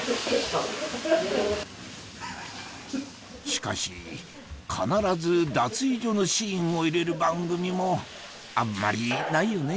しかし必ず脱衣所のシーンを入れる番組もあんまりないよね・